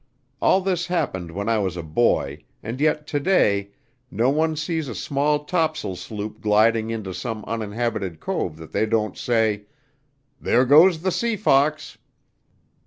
All this happened when I was a boy, and yet to day no one sees a small tops'l sloop gliding into some uninhabited cove that they don't say 'There goes the Sea Fox.'"